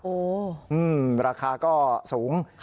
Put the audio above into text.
โอ้โหราคาก็สูง